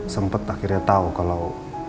sempet akhirnya tau kalau